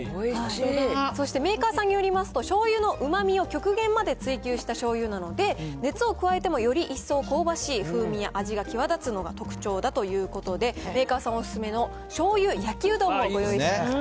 そしてメーカーさんによりますと、醤油のうまみを極限まで追求した醤油なので、熱を加えてもより一層香ばしい風味や味が際立つのが特徴だということで、メーカーさんお勧めのしょうゆ焼うどんもご用意しました。